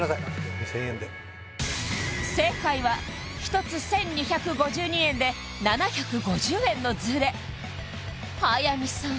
２０００円で正解は１つ１２５２円で７５０円のズレ速水さん